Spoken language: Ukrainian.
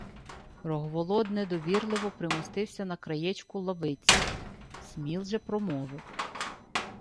Рогволод недовірливо примостився на краєчку лавиці, Сміл же промовив: